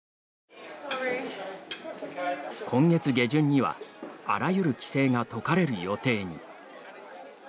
今月下旬にはあらゆる規制が解かれる予定に。